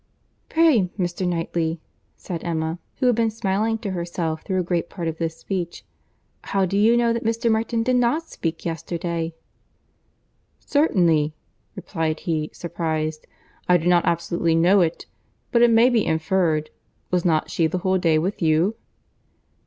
"Pray, Mr. Knightley," said Emma, who had been smiling to herself through a great part of this speech, "how do you know that Mr. Martin did not speak yesterday?" "Certainly," replied he, surprized, "I do not absolutely know it; but it may be inferred. Was not she the whole day with you?"